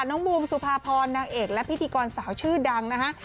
บูมสุภาพรนางเอกและพิธีกรสาวชื่อดังนะฮะ